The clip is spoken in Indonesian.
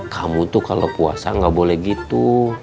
kamu tuh kalo puasa ga boleh gitu